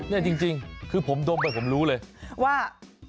น่ะจริงคือผมดมแต่แล้วผมรู้เลยว่า